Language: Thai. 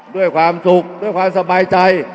ด้วยความสุขด้วยความสบายใจ